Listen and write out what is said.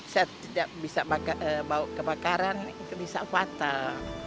saya tidak bisa bau kebakaran itu bisa fatal